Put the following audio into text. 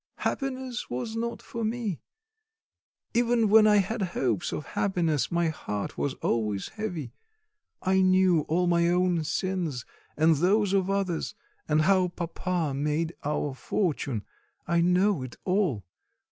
Happiness was not for me; even when I had hopes of happiness, my heart was always heavy. I knew all my own sins and those of others, and how papa made our fortune; I know it all.